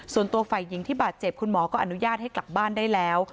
ส่วนตัวฝ่ายหญิงที่บาดเจ็บคุณหมอก็อนุญาตให้กลับบ้านได้แล้ว